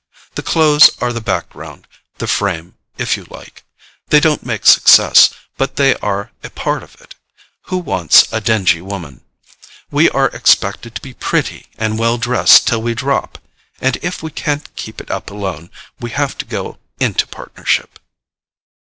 The clothes are the background, the frame, if you like: they don't make success, but they are a part of it. Who wants a dingy woman? We are expected to be pretty and well dressed till we drop—and if we can't keep it up alone, we have to go into partnership."